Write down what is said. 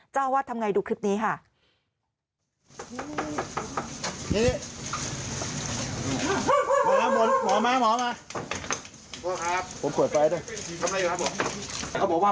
เจ้าอวาดทำอย่างไรดูคลิปนี้ค่ะ